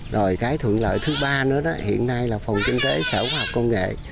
rồi cái thuận lợi thứ ba nữa đó hiện nay là phòng kinh tế sở khoa học công nghệ